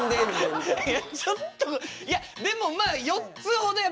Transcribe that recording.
ちょっといやでもまあ４つほどね